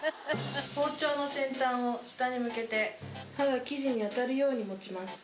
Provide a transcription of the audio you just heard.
包丁の先端を下に向けて刃が生地に当たるように持ちます。